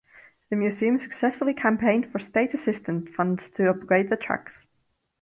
The museum successfully campaigned for state assistance funds to upgrade the tracks.